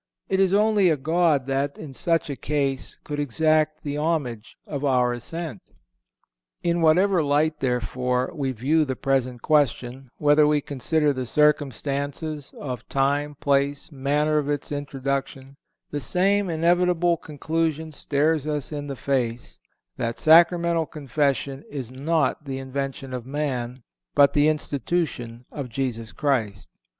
It is only a God that, in such a case, could exact the homage of our assent. In whatever light, therefore, we view the present question—whether we consider the circumstances of time, place, manner of its introduction—the same inevitable conclusion stares us in the face: that Sacramental confession is not the invention of man, but the institution of Jesus Christ.